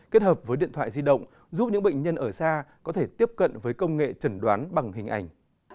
kết hợp với điện thoại di động giúp những bệnh nhân ở xa có thể tiếp cận với công nghệ trần đoán bằng hình ảnh